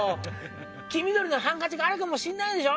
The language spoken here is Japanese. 黄緑のハンカチがあるかもしんないでしょ？